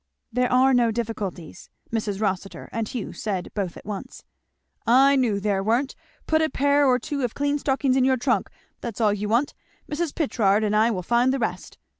"There are no difficulties," Mrs. Rossitur and Hugh said both at once. "I knew there weren't. Put a pair or two of clean stockings in your trunk that's all you want Mrs. Pritchard and I will find the rest.